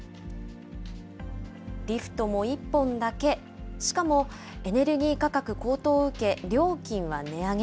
リフトも１本だけ、しかもエネルギー価格高騰を受け、料金は値上げ。